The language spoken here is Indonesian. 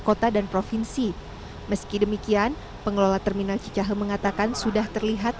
kota dan provinsi meski demikian pengelola terminal cicahe mengatakan sudah terlihat